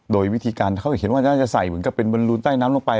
โดยวิธีการเขาเห็นว่าน่าจะใส่เหมือนกับเป็นบอลลูนใต้น้ำลงไป